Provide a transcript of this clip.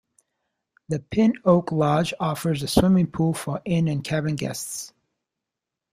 The Pin Oak Lodge offers a swimming pool for inn and cabin guests.